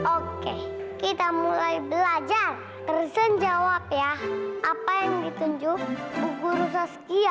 oke kita mulai belajar resen jawab ya apa yang ditunjuk buku rusak ia